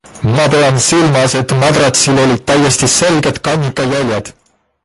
Ma pean silmas, et madratsil olid täiesti selged kannika jäljed.